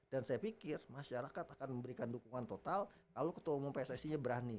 dan saya pikir masyarakat akan memberikan dukungan total kalau ketua umum pssi nya berani